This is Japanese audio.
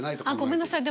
ごめんなさい。